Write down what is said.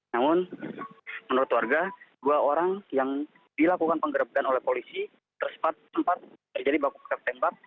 namun menurut warga dua orang yang dilakukan pengerebekan oleh polisi tersepat sempat terjadi baku ketembak